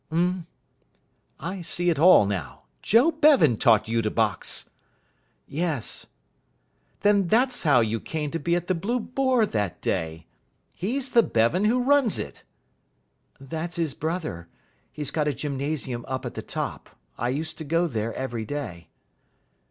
"Um?" "I see it all now. Joe Bevan taught you to box." "Yes." "Then that's how you came to be at the 'Blue Boar' that day. He's the Bevan who runs it." "That's his brother. He's got a gymnasium up at the top. I used to go there every day."